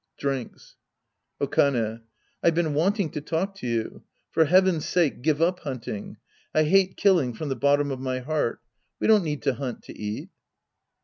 {Drinks^ Okane. I've been wanting to talk to you. For heaven's sake, give up hunting. I hate killing from the bottom of my heart. We don't need to hunt to eat.